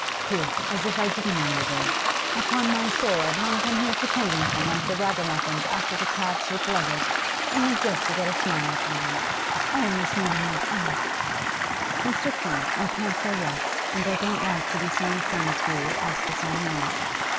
Pooh, as if I didn't know you were! Upon my soul, I'd run from here to South Kensington, like the ragamuffins after the cabs with luggage, only just to get a smile from you. Oh, Miss Mutimer oh!' 'Mr. Keene, I can't say yes, and I don't like to be so unkind to you as to say no.